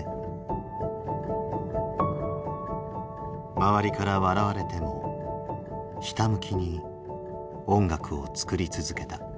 周りから笑われてもひたむきに音楽を作り続けた。